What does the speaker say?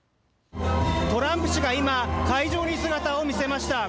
トランプ氏が今、会場に姿を見せました。